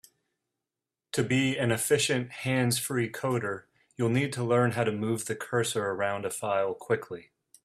To be an efficient hands-free coder, you'll need to learn how to move the cursor around a file quickly.